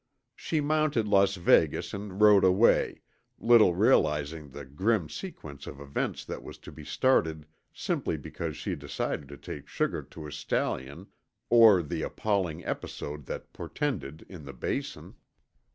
She mounted Las Vegas and rode away, little realizing the grim sequence of events that was to be started simply because she decided to take sugar to a stallion, or the appalling episode that portended in the Basin.